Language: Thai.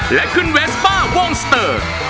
และคุณเวสป้าวงสเตอร์